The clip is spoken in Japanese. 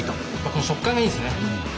この食感がいいですね。